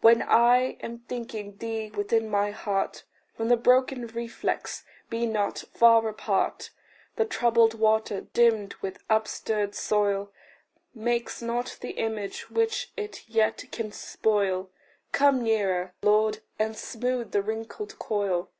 When I am thinking thee within my heart, From the broken reflex be not far apart. The troubled water, dim with upstirred soil, Makes not the image which it yet can spoil: Come nearer, Lord, and smooth the wrinkled coil.